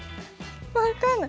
分かんない。